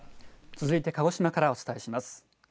続いて鹿児島からお伝えします。